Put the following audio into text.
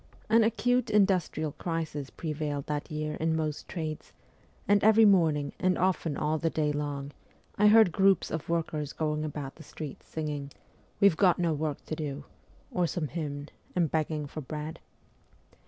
An acute industrial crisis prevailed that year in most trades, and every morning, and often all the day long, I heard groups of workers going about in the streets singing ' We've got no work to do,' or some hymn, and begging for bread.